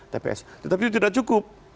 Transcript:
tps tapi itu tidak cukup